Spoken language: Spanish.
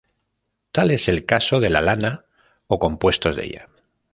Tal es el caso de la lana o compuestos de ella.